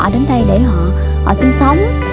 đến đây để họ sinh sống